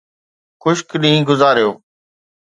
خشڪ ڏينهن گذاريو.